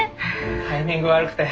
タイミング悪くて。